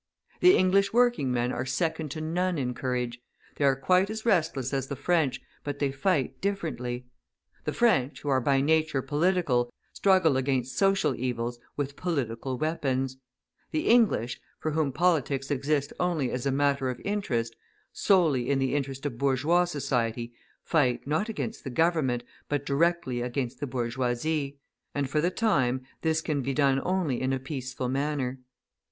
The English working men are second to none in courage; they are quite as restless as the French, but they fight differently. The French, who are by nature political, struggle against social evils with political weapons; the English, for whom politics exist only as a matter of interest, solely in the interest of bourgeois society, fight, not against the Government, but directly against the bourgeoisie; and for the time, this can be done only in a peaceful manner.